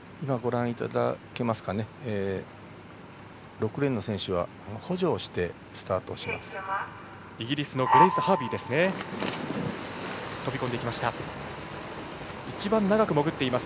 ６レーンの選手は補助をしてスタートします。